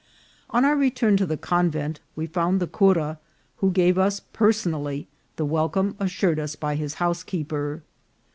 On our return to the convent we found the cura, who gave us personally the welcome assured to us by his housekeeper.